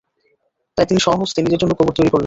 তাই তিনি স্বহস্তে নিজের জন্য কবর তৈরী করলেন।